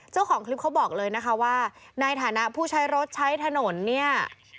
เจ้าของคลิปเขาบอกเลยนะคะว่าในฐานะผู้ใช้รถใช้ถนนเนี่ย